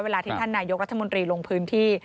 ที่ท่านนายกรัฐมนตรีลงพื้นที่